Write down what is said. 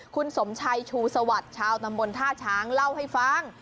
คุณสมชัยชูสวัสดิ์ชาวตำบลท่าช้างเล่าให้ฟัง